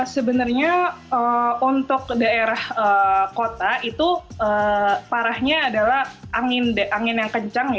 sebenarnya untuk daerah kota itu parahnya adalah angin yang kencang